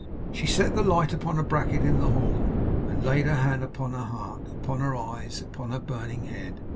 She set the light upon a bracket in the hall, and laid her hand upon her heart; upon her eyes; upon her burning head.